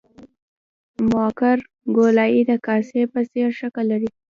مقعر ګولایي د کاسې په څېر شکل لري